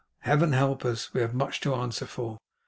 Heaven help us, we have much to answer for!